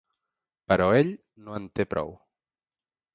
Però ell no en té prou.